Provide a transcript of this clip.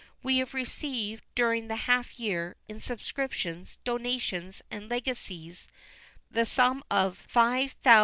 We have received, during the half year, in subscriptions, donations, and legacies, the sum of £5,403 6_s.